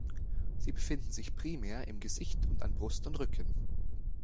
Sie befinden sich primär im Gesicht und an Brust und Rücken.